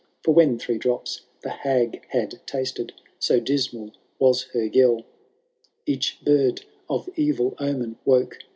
For when three drops the hag had tasted. So dismal was her yell. Each bird of evil omen woke.